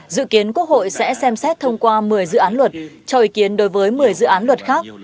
dự kiến quốc hội sẽ xem xét thông qua một mươi dự án luật cho ý kiến đối với một mươi dự án luật khác